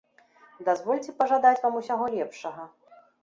Дазвольце пажадаць вам усяго лепшага.